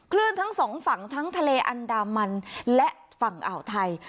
ทั้งสองฝั่งทั้งทะเลอันดามันและฝั่งอ่าวไทย